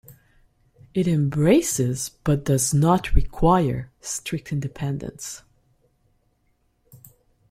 It embraces but does not require strict Independence.